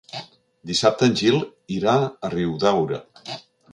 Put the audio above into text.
Dissabte en Gil irà a Riudaura.